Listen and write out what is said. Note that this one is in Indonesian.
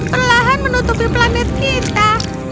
bayangan telah menutupi planet kita